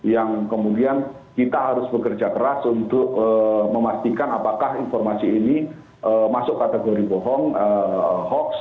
yang kemudian kita harus bekerja keras untuk memastikan apakah informasi ini masuk kategori bohong hoax